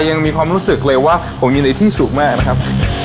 ยังมีความรู้สึกเลยว่าผมอยู่ในที่สูงมากนะครับ